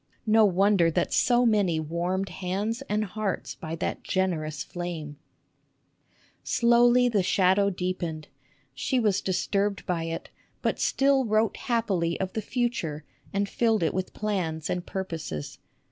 No wonder that so many warmed hands and hearts by that generous flame ! Slowly the shadow deepened. She was disturbed by it, but still wrote happily of the future and filled it with plans and purposes.